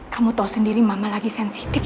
kamu tahu sendiri mama lagi sensitif